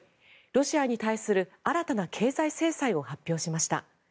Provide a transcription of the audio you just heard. ロシアに対する新たな経済制裁を発表しました。